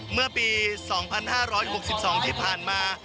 เมื่อปี๒๕๖๒ที่ผ่านมา